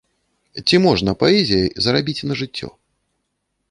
Ці можна паэзіяй зарабіць на жыццё?